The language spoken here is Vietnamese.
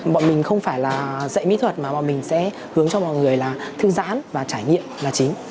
bọn mình không phải là dạy mỹ thuật mà bọn mình sẽ hướng cho mọi người là thư giãn và trải nghiệm là chính